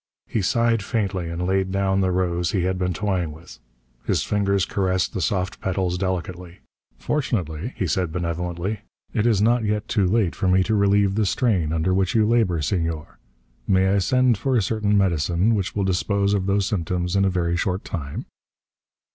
He sighed faintly and laid down the rose he had been toying with. His fingers caressed the soft petals delicately. "Fortunately," he said benevolently, "it is not yet too late for me to relieve the strain under which you labor, Senor. May I send for a certain medicine which will dispose of those symptoms in a very short time?"